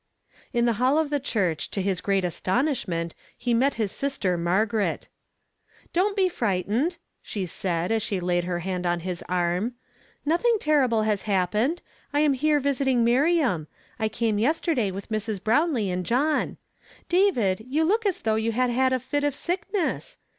In the hall of the church to his great astonisli ment he met his sister Margaret. "Don't be frightened," she said, as she laid lier hand on his arm. "Nothing terrible has hap pened ; I am here visiting Miriam ; I came yester day with Mi s. Brownlee and John. David, you look as though you had had a fit of sickness